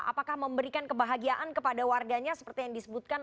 apakah memberikan kebahagiaan kepada warganya seperti yang disebutkan